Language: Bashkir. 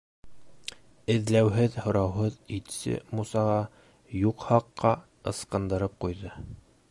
Эҙләүһеҙ-һорауһыҙ итсе Мусаға юҡ хаҡҡа ысҡындырып ҡуйҙы.